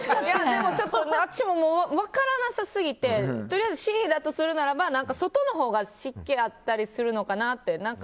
でも、私も分からなさすぎてとりあえずＣだとするなら外のほうが湿気があったりするのかなと。